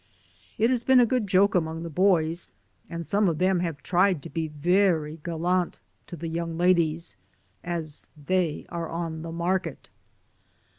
It has been a good joke among the boys, and some of them have tried to be very gallant to the young ladies — as they are on the market.